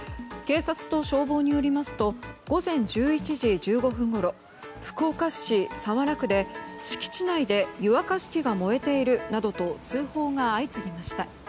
警察と消防によりますと午前１１時１５分ごろ福岡市早良区で敷地内で湯沸かし器が燃えているなどと通報が相次ぎました。